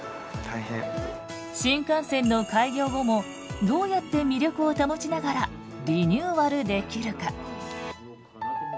新幹線の開業後もどうやって魅力を保ちながらリニューアルできるか。